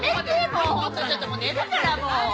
もう本当ちょっともう寝るからもう！